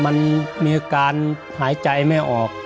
มันมีอาการหายใจไม่ออก